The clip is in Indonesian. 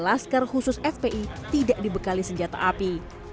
laskar khusus fpi tidak dibekali senjata api